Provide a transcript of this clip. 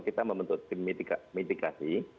kita membentuk tim mitigasi